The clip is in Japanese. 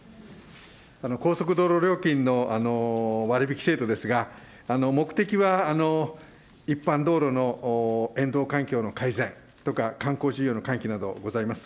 高速道路料金の割引制度ですが、目的は一般道路の沿道環境の改善とか、観光事業の喚起などございます。